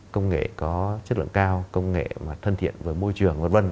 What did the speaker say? công nghệ có chất lượng cao công nghệ thân thiện với môi trường